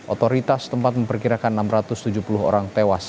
otoritas tempat memperkirakan enam ratus tujuh puluh orang tewas